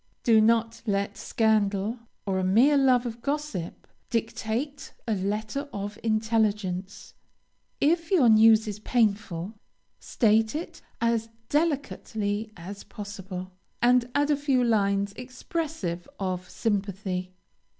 Do not let scandal or a mere love of gossip dictate a letter of intelligence. If your news is painful, state it as delicately as possible, and add a few lines expressive of sympathy.